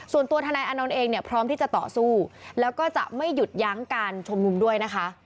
ส่วนตัวฐอนเองพร้อมที่จะต่อสู้แล้วก็จะไม่หยุดย้างการชมนุมด้วยนะคะ